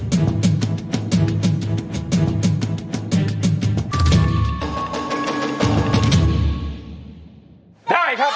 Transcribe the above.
เฮ้ว่าไง